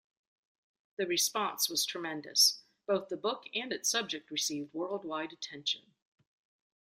The response was tremendous; both the book and its subject received worldwide attention.